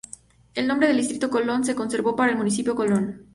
El nombre del distrito Colón se conservó para el municipio Colón.